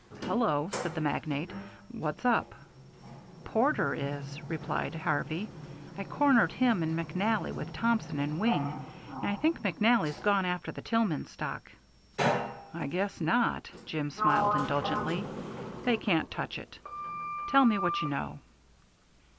"Hello," said the magnate, "what's up?" "Porter is," replied Harvey. "I cornered him and McNally with Thompson and Wing, and I think McNally's gone after the Tillman stock." "I guess not," Jim smiled indulgently. "They can't touch it. Tell me what you know."